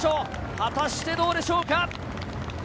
果たしてどうでしょうか？